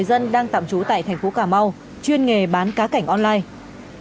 dân đang tạm trú tại thành phố cà mau chuyên nghề bán cá cảnh online